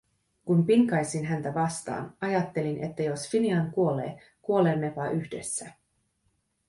Kun pinkaisin häntä vastaan, ajattelin, että jos Finian kuolee, kuolemmepa yhdessä.